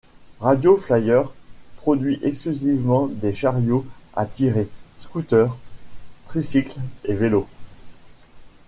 Radio Flyer produit exclusivement des Chariots à tirer, scooters, tricycles et vélos.